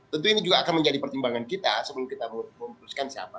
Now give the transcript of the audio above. tentu ini juga akan menjadi pertimbangan kita sebelum kita memutuskan siapa